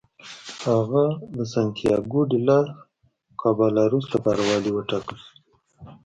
هغه د سنتیاګو ډي لاس کابالروس لپاره والي وټاکل شو.